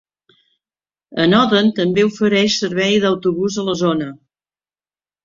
Enoden també ofereix servei d'autobús a la zona.